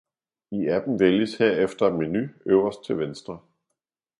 I appen vælges herefter menu øverst til venstre